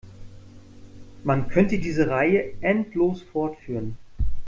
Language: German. Man könnte diese Reihe endlos fortführen.